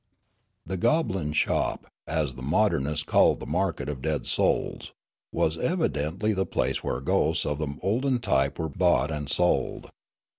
"The goblin shop, as the modernist called the market of dead souls, was evidently the place where ghosts of the olden tj^'pe were bought and sold.